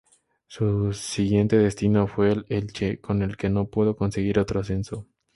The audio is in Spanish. Su siguiente destino fue el Elche, con el que no pudo conseguir otro ascenso.